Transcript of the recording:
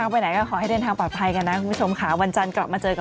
วันนี้ไปก่อนแล้วค่ะ